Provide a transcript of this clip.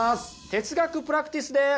哲学プラクティスです。